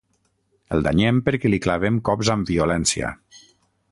El danyem perquè li clavem cops amb violència.